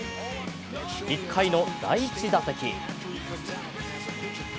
１回の第１打席。